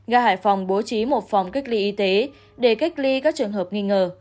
ga hải phòng bố trí một phòng kích ly y tế để kích ly các trường hợp nghi ngờ